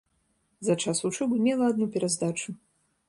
За час вучобы мела адну пераздачу.